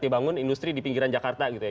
bangun industri di pinggiran jakarta gitu ya